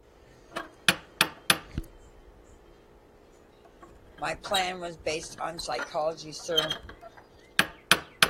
My plan was based on psychology, sir.